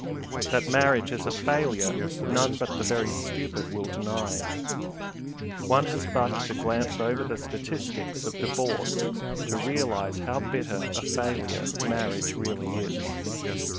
That marriage is a failure none but the very stupid will deny. One has but to glance over the statistics of divorce to realize how bitter a failure marriage really is.